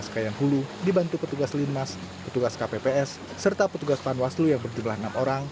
kayan hulu dibantu petugas linmas petugas kpps serta petugas panwaslu yang berjumlah enam orang